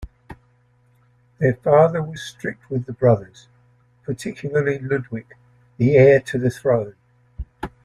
Their father was strict with the brothers, particularly Ludwig, the heir to the throne.